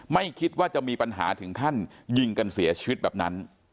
ไม่คิดว่าจะมีปัญหาถึงขั้นยิงกันเสียชีวิตแบบนั้น